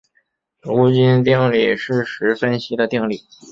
卢津定理是实分析的定理。